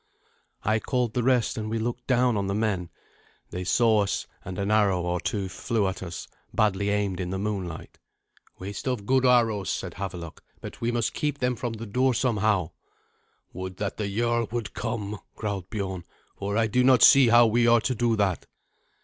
I called the rest, and we looked down on the men. They saw us, and an arrow or two flew at us, badly aimed in the moonlight. "Waste of good arrows," said Havelok; "but we must keep them from the door somehow." "Would that the jarl would come," growled Biorn, "for I do not see how we are to do that."